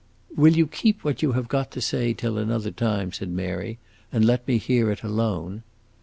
"Will you keep what you have got to say till another time," said Mary, "and let me hear it alone?"